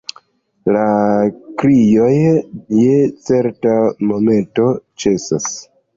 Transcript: La krioj, je certa momento, ĉesas.